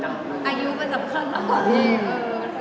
อายุเป็นสำคัญมากเลย